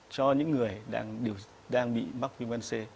cho những người đang bị mắc viêm gan c